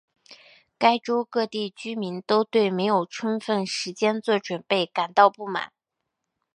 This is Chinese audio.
该州各地居民都对没有充分时间做准备感到不满。